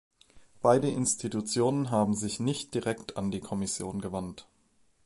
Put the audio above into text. Beide Institutionen haben sich nicht direkt an die Kommission gewandt.